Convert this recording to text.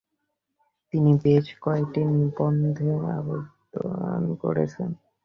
তিনি বেশ কয়েকটি নিবন্ধে অবদান রেখেছিলেন।